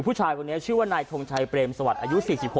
ผู้ชายคนนี้ชื่อว่านายทงชัยเปรมสวัสดิ์อายุ๔๖